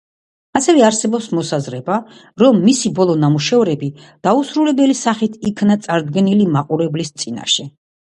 ასევე არსებობს მოსაზრება, რომ მისი ბოლო ნამუშევრები დაუსრულებელი სახით იქნა წარდგენილი მაყურებლის წინაშე.